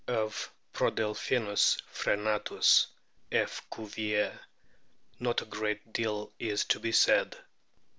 Of Prodelphinus frcenatus, F. Cuvier,f not a great deal is to be said.